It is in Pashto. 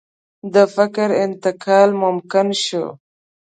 د فکر انتقال ممکن شو.